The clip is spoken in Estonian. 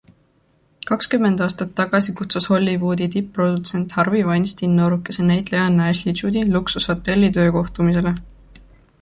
Kakskümmend aastat tagasi kutsus Hollywoodi tipp-produtsent Harvey Weinstein noorukese näitlejanna Ashley Juddi luksushotelli töökohtumisele.